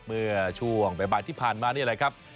เมื่อช่วงบ่ายที่ผ่านมานี่แหละครับ